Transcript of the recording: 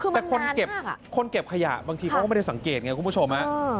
แต่คนเก็บขยะบางทีเขาก็ไม่ได้สังเกตไงคุณผู้ชม